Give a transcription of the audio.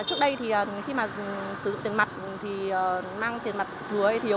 trước đây thì khi mà sử dụng tiền mặt thì mang tiền mặt hứa hay thiếu